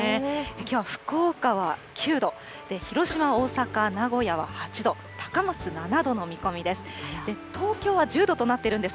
きょうは福岡は９度、広島、大阪、名古屋は８度、高松７度の見込みです。